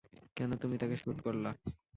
কেন তুমি তাকে শ্যুট করলা?